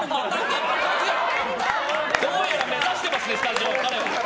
どうやら目指してますねスタジオ。